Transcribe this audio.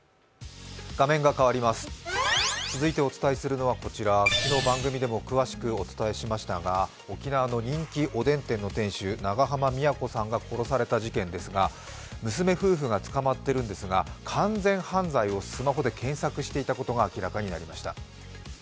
続いてお伝えするのはこちら、昨日番組でも詳しくお伝えしましたが沖縄の人気おでん店の店主、長濱美也子さんが殺されたニュースですが娘夫婦が捕まっているんですが完全犯罪をスマホで検索していたことが明らかになりました。